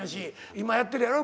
今やってるやろ？